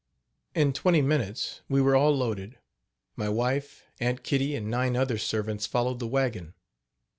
In twenty minutes we were all loaded. My wife, Aunt Kitty and nine other servants followed the wagon.